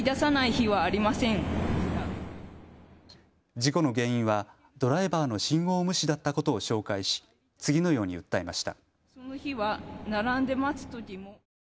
事故の原因はドライバーの信号無視だったことを紹介し次のように訴えました。